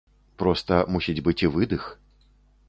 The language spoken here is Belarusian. Проста мусіць быць і выдых.